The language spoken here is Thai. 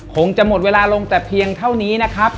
คงจะหมดเวลาลงแต่เพียงเท่านี้นะครับ